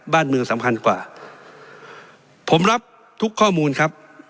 บ้านเมืองสำคัญกว่าผมรับทุกข้อมูลครับ